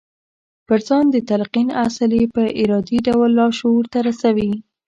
پر ځان د تلقين اصل يې په ارادي ډول لاشعور ته رسوي.